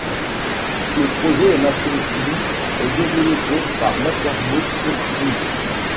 Le projet est maintenu et développé par Mattermost Inc.